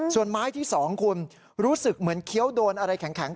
ส่วนไม้ที่๒คุณรู้สึกเหมือนเคี้ยวโดนอะไรแข็ง